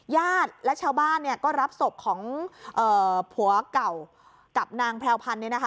ญาติและชาวบ้านก็รับศพของผัวเก่ากับนางแพรวพันธ์